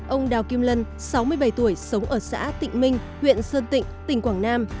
ông đào kim lân sáu mươi bảy tuổi sống ở xã tịnh minh huyện sơn tịnh tỉnh quảng nam